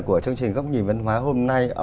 của chương trình góc nhìn văn hóa hôm nay